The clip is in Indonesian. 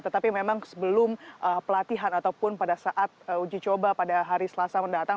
tetapi memang sebelum pelatihan ataupun pada saat uji coba pada hari selasa mendatang